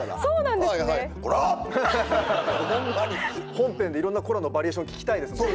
本編でいろんな「コラッ！」のバリエーション聞きたいですもん。